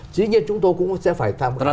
chính như chúng tôi cũng sẽ phải tham gia